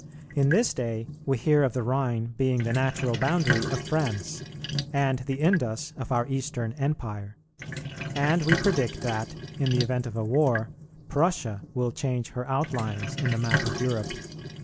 In this day, we hear of the Rhine being the natural boundary of France, and the Indus of our Eastern empire; and we predict that, in the event of a war, Prussia will change her outlines in the map of Europe.